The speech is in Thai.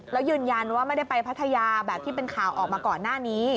แล้วยืนยันว่าไม่ได้ไปพัทยาแบบที่เป็นข่าวออกมาก่อนหน้านี้